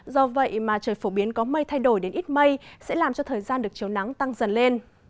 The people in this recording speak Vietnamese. do vậy mà trời phổ biến có mây thay đổi đến ít mây sẽ làm cho thời gian được chiều nắng tăng dần lên